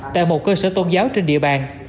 tại một cơ sở tôn giáo trên địa bàn